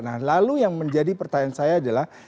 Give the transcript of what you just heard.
nah lalu yang menjadi pertanyaan saya adalah